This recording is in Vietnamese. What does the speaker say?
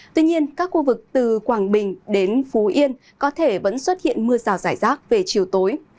tuy nhiên các khu vực từ quảng bình đến phú yên có thể vẫn xuất hiện mưa rào rải rác về chiều tối